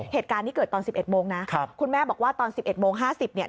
เหตุการณ์นี้เกิดตอน๑๑โมงนะคุณแม่บอกว่าตอน๑๑โมง๕๐เนี่ย